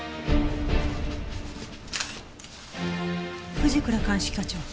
藤倉鑑識課長。